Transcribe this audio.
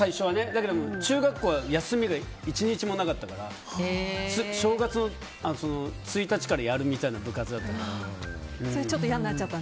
だけど中学校は休みが１日もなかったから。正月の１日からやるみたいな部活だったから。